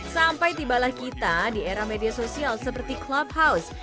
sampai tibalah kita di era media sosial seperti clubhouse